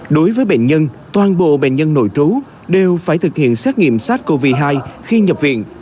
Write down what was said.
đối với bệnh nhân toàn bộ bệnh nhân nội trú đều phải thực hiện xét nghiệm sars cov hai khi nhập viện